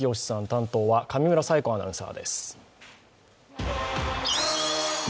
担当は上村彩子アナウンサーです。